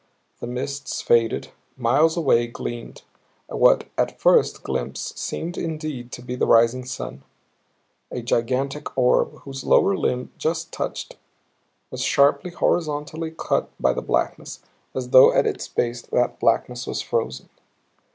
The mists faded miles away gleamed what at first glimpse seemed indeed to be the rising sun; a gigantic orb, whose lower limb just touched, was sharply, horizontally cut by the blackness, as though at its base that blackness was frozen.